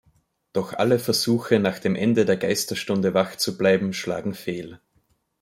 Doch alle Versuche, nach dem Ende der Geisterstunde wach zu bleiben, schlagen fehl.